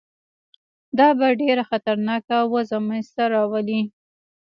دا به ډېره خطرناکه وضع منځته راوړي.